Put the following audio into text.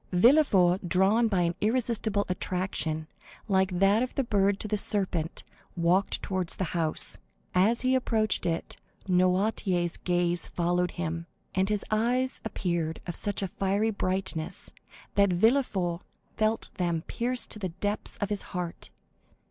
Villefort, drawn by an irresistible attraction, like that of the bird to the serpent, walked towards the house. As he approached it, Noirtier's gaze followed him, and his eyes appeared of such a fiery brightness that Villefort felt them pierce to the depths of his heart.